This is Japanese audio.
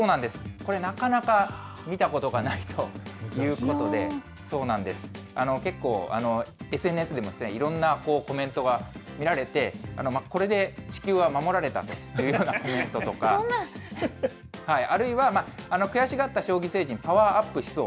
これ、なかなか見たことがないということで、そうなんです、結構、ＳＮＳでもいろんなコメントが見られて、これで地球は守られたというようなコメントとか。あるいは悔しがった将棋星人、パワーアップしそう。